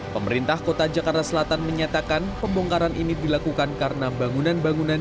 pemerintah kota jakarta selatan menyatakan pembongkaran ini dilakukan karena bangunan bangunan